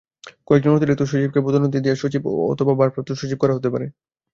কয়েকজন অতিরিক্ত সচিবকে পদোন্নতি দিয়ে সচিব অথবা ভারপ্রাপ্ত সচিব করা হতে পারে।